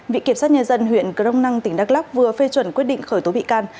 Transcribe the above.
vị kiểm sát nhà dân huyện cơ đông năng tỉnh đắk lắc vừa phê chuẩn quyết định khởi tố bị can